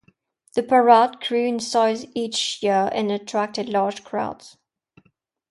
The Parade grew in size each year and attracted large crowds.